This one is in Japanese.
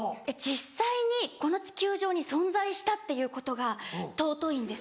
実際にこの地球上に存在したっていうことが貴いんですよ。